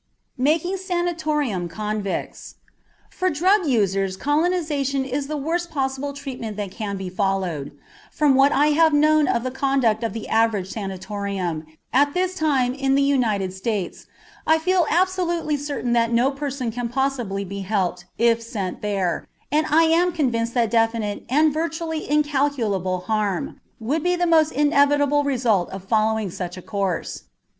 MAKING SANATORIUM CONVICTS For drug users colonization is the worst possible treatment that can be followed. From what I know of the conduct of the average sanatorium at this time in the United States, I feel absolutely certain that no person could possibly be helped if sent there, and I am convinced that definite and virtually incalculable harm would be the almost inevitable result of following such a course.